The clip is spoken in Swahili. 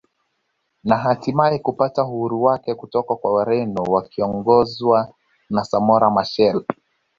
Na hatimaye kupata uhuru wake kutoka kwa Ureno wakiongozwa na Samora Michael